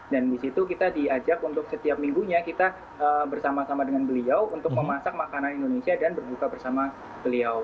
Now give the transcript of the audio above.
dan di situ kita diajak untuk setiap minggunya kita bersama sama dengan beliau untuk memasak makanan indonesia dan berbuka bersama beliau